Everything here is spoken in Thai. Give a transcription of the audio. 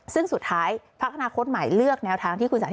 ซึ่งสุดท้ายพักอนาคตใหม่เลือกแนวทางที่คุณสาธิ